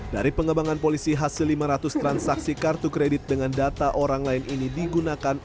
dari pengembangan polisi hasil lima ratus transaksi kartu kredit dengan data orang lain ini digunakan